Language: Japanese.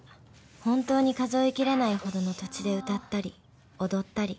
本当に数えきれないほどの土地で歌ったり踊ったり］